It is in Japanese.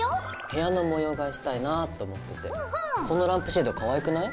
部屋の模様替えしたいなぁと思っててこのランプシェードかわいくない？